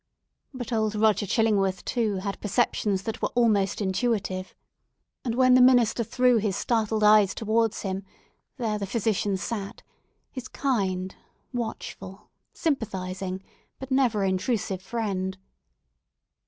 But Old Roger Chillingworth, too, had perceptions that were almost intuitive; and when the minister threw his startled eyes towards him, there the physician sat; his kind, watchful, sympathising, but never intrusive friend.